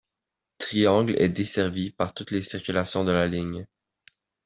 Triangle est desservie par toutes les circulations de la ligne.